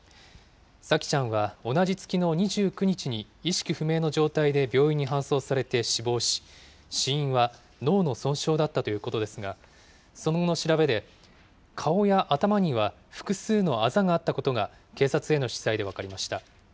沙季ちゃんは、同じ月の２９日に、意識不明の状態で病院に搬送されて死亡し、死因は脳の損傷だったということですが、その後の調べで、顔や頭には複数のあざがあったことが、警察への取材で分かりました。